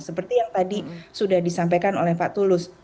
seperti yang tadi sudah disampaikan oleh pak tulus